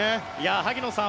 萩野さん